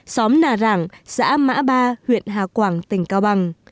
xóm nà rảng xã mã ba huyện hà quảng tỉnh cao bằng